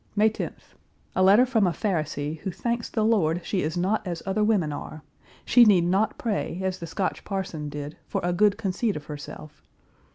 May 10th. A letter from a Pharisee who thanks the Lord she is not as other women are; she need not pray, as the Scotch parson did, for a good conceit of herself.